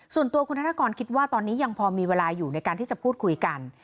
ส่วนตัวคุณธนกรคิดว่าตอนนี้ยังพอมีเวลาอยู่ในการที่จะพูดคุยกัน